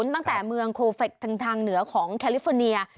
ตั้งแต่เมืองโคเฟคทางเหนือของแคลิฟอร์เนีย